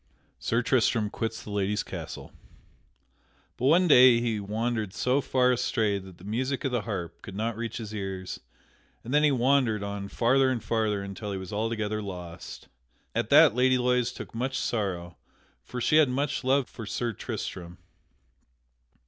[Sidenote: Sir Tristram quits the Lady's castle] But one day he wandered so far astray that the music of the harp could not reach his ears, and then he wandered on farther and farther until he was altogether lost. At that Lady Loise took much sorrow for she had much love for Sir Tristram.